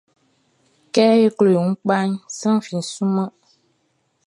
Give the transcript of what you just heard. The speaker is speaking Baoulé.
Kɛ e klo e wun kpaʼn, sran fi sunman.